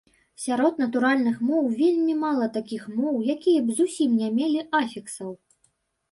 Сярод натуральных моў вельмі мала такіх моў, якія б зусім не мелі афіксаў.